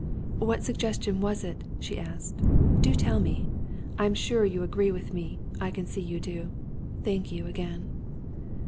"What suggestion was it?" she asked. "Do tell me? I'm sure you agree with me I can see you do. Thank you, again!"